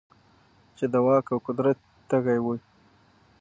چـې د واک او قـدرت تـېږي وي .